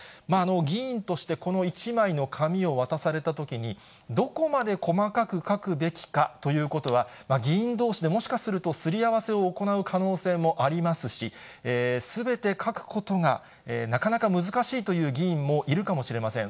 議員として、この１枚の紙を渡されたときに、どこまで細かく書くべきかということは、議員どうしでもしかするとすり合わせを行う可能性もありますし、すべて書くことがなかなか難しいという議員もいるかもしれません。